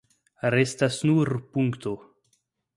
Restas nur punkto.